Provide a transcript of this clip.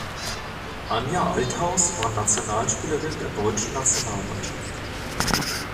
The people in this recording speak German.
Anja Althaus war Nationalspielerin der deutschen Nationalmannschaft.